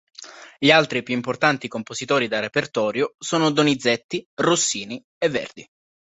Gli altri più importanti compositori de repertorio sono Donizetti, Rossini e Verdi.